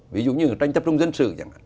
ví dụ như tranh chấp trung dân sự